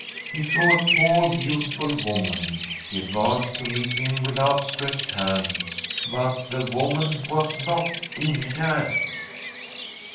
He saw a tall, beautiful woman. She advanced to meet him with outstretched hand. But the woman was not In gegerd.